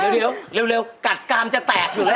เดี๋ยวเร็วกัดกามจะแตกอยู่แล้ว